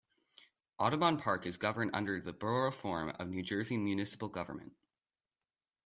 Audubon Park is governed under the Borough form of New Jersey municipal government.